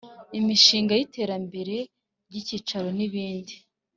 Imishinga y iterambere ry icyaro n ibindi